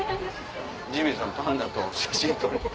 ジミーさんパンダと写真撮りたい。